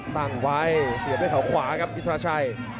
ตั้งไว้เสียบด้วยเขาขวาครับอินทราชัย